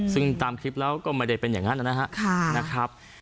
ซึ่งตามคลิปแล้วก็ไม่ได้เป็นอย่างนั้นนะครับ